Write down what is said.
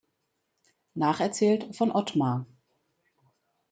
Nacherzählt von Otmar".